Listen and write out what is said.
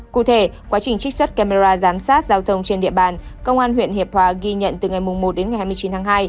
cụ thể quá trình trích xuất camera giám sát giao thông trên địa bàn công an huyện hiệp hòa ghi nhận từ ngày một đến ngày hai mươi chín tháng hai